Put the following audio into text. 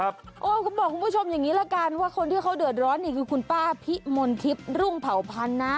ก็บอกคุณผู้ชมอย่างนี้ละกันว่าคนที่เขาเดือดร้อนนี่คือคุณป้าพิมลทิพย์รุ่งเผาพันธ์นะ